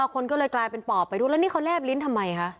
คนก็เลยกลายเป็นปอบไปด้วยแล้วนี่เขาแลบลิ้นทำไมคะ